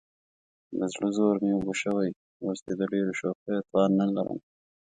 د زړه زور مې اوبه شوی، اوس دې د ډېرو شوخیو توان نه لرم.